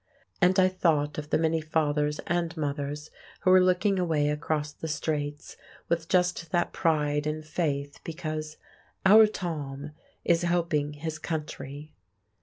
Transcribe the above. And I thought of the many fathers and mothers who were looking away across the Straits, with just that pride and faith because "Our Tom" is helping his country.